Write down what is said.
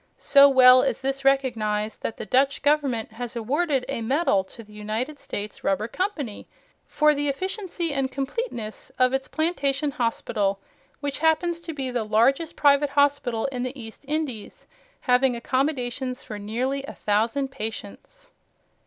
So well is this recognized, that the Dutch Government has awarded a medal to the United States Rubber Company for the efficiency and completeness of its plantation hospital, which happens to be the largest private hospital in the East Indies, having accommodations for nearly a thousand patients.